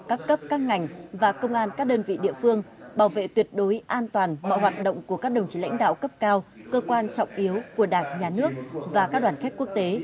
các cấp các ngành và công an các đơn vị địa phương bảo vệ tuyệt đối an toàn mọi hoạt động của các đồng chí lãnh đạo cấp cao cơ quan trọng yếu của đảng nhà nước và các đoàn khách quốc tế